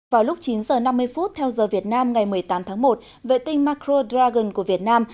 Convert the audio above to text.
vào lúc chín h năm mươi phút theo giờ việt nam ngày một mươi tám tháng một vệ tinh macro dragon của việt nam